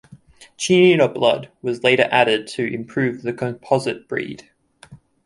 Chianina blood was later added to improve the composite breed.